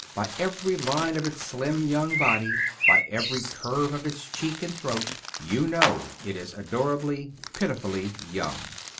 By every line of its slim young body, by every curve of its cheek and throat you know it is adorably, pitifully young.